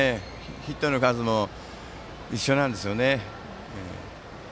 ヒットの数も一緒なんですよね。